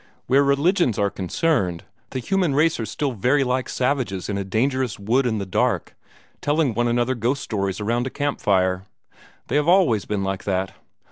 Where religions are concerned, the human race are still very like savages in a dangerous wood in the dark, telling one another ghost stories around a camp fire. They have always been like that."